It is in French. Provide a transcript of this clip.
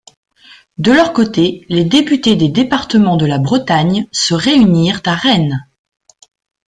De leur côté, les députés des départements de la Bretagne se réunirent à Rennes.